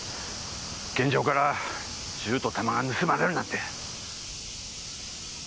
現場から銃と弾が盗まれるなんて！